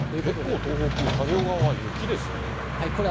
結構、東北、太平洋側は雪ですね、これ。